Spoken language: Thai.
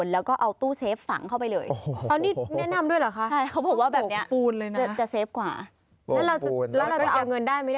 แล้วเราจะเอาเงินได้ไหมถ้าบวกปูนแบบนี้